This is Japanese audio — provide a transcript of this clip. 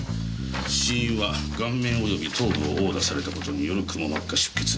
死因は顔面及び頭部を殴打された事によるくも膜下出血。